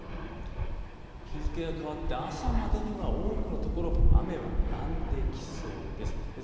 日付が変わって朝までには多くの所、雨はやんできそうです。